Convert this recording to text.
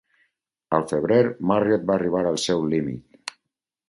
Al febrer, Marriott va arribar al seu límit.